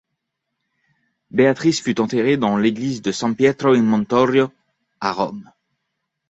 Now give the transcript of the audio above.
Beatrice fut enterrée dans l'église de San Pietro in Montorio à Rome.